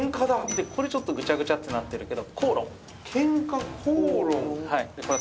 でこれちょっとグチャグチャってなってるけど。